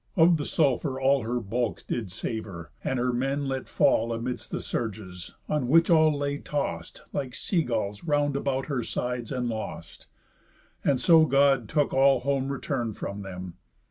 Of the sulphur all Her bulk did savour; and her men let fall Amids the surges, on which all lay tost, Like sea gulls, round about her sides, and lost. And so God took all home return from them.